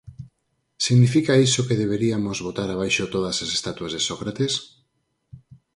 Significa iso que deberiamos botar abaixo todas as estatuas de Sócrates?